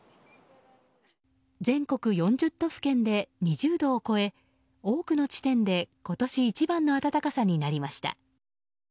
全国４０都府県で２０度を超え多くの地点で今年一番の暖かさになりました。